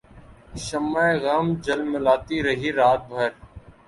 شمع غم جھلملاتی رہی رات بھر